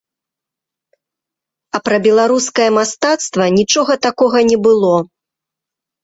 А пра беларускае мастацтва нічога такога не было.